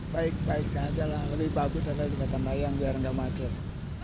baik baik saja lah lebih bagus ada jembatan layang biar nggak macet